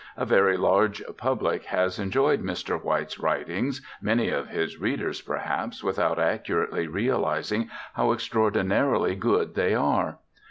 A very large public has enjoyed Mr. White's writings many of his readers, perhaps, without accurately realizing how extraordinarily good they are.